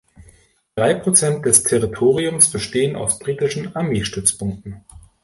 Drei Prozent des Territoriums bestehen aus britischen Armeestützpunkten.